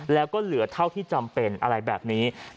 แล้วก็เหลือเท่าที่จำเป็นอะไรแบบนี้